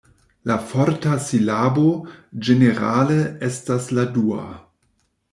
La forta silabo, ĝenerale estas la dua.